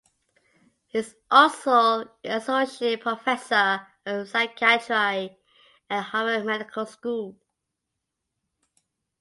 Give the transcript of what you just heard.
He is also an Associate Professor of Psychiatry at Harvard Medical School.